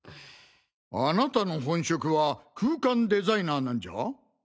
あなたの本職は空間デザイナーなんじゃあ。